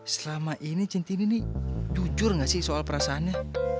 selama ini cintini nih jujur gak sih soal perasaannya